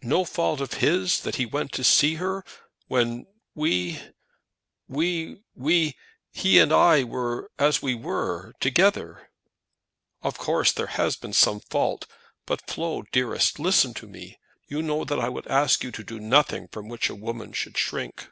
"No fault of his that he went to her when we we we he and I were, as we were, together!" "Of course there has been some fault; but, Flo dearest, listen to me. You know that I would ask you to do nothing from which a woman should shrink."